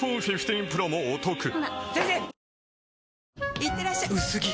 いってらっしゃ薄着！